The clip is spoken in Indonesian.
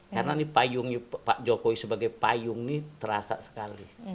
karena ini payungnya pak jokowi sebagai payung ini terasa sekali